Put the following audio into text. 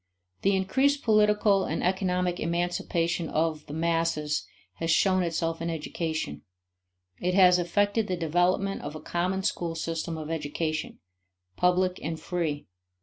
The increased political and economic emancipation of the "masses" has shown itself in education; it has effected the development of a common school system of education, public and free.